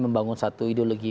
membangun satu ideologi